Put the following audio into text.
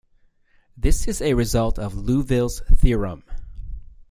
This is a result of Liouville's theorem.